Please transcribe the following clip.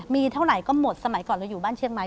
มีเท่าไหร่ก็หมดสมัยก่อนเราอยู่บ้านเชียงใหม่